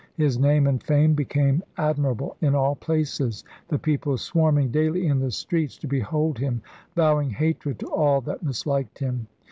His name and fame be came admirable in all places, the people swarming daily in the streets to behold him, vowing hatred to all that misliked him.'